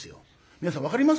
皆さん分かりますか？